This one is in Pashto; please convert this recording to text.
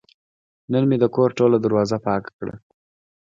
نن مې د کور ټوله دروازه پاکه کړه.